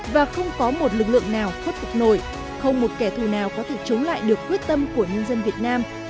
và không có một lực lượng nào khuất phục nổi không một kẻ thù nào có thể chống lại được quyết tâm của nhân dân việt nam